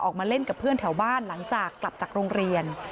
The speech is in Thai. ออกมาเล่นกับเพื่อนแถวบ้านหลังจากกลับจากโรงเรียน